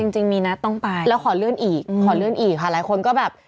จริงมีนัดต้องไปแล้วขอเลื่อนอีกขอเลื่อนอีกค่ะหลายคนก็แบบ